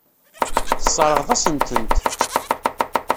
Tesseṛɣeḍ-asen-tent.